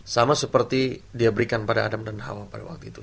sama seperti dia berikan pada adam dan hawa pada waktu itu